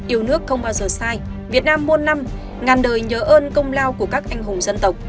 yêu nước không bao giờ sai việt nam muôn năm ngàn đời nhớ ơn công lao của các anh hùng dân tộc